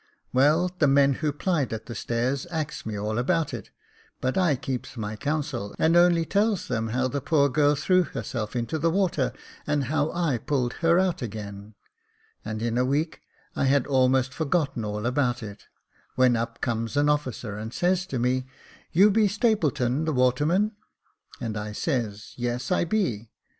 Well, the men who plied at the stairs axed me all about it ; but I keeps my counsel, and only tells them how the poor giri threw herself into the water, and how I pulled her out again ; and in a week I had almost forgot all about it, when up comes an officer, and says to me, ' You be Stapleton the waterman ?' and I says, ' Yes, I be.'